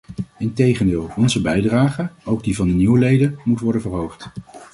Integendeel, onze bijdrage, ook die van de nieuwe leden, moet worden verhoogd.